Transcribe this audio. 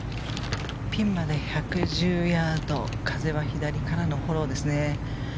ピンまで１１０ヤード風は左からのフォローですね。